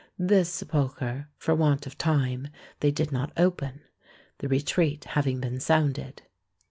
This sepulchre, for want of time, they did not open, the retreat having been sounded.